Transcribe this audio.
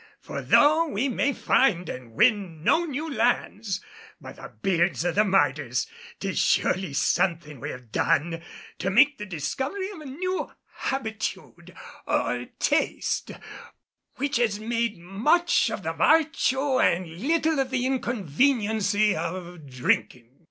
For though we may find an' win no new lands by the beards of the martyrs, 'tis surely somethin' we have done to make the discovery of a new habitude, or taste, which has much of the vartue an' little of the inconvenciency of drinkin'."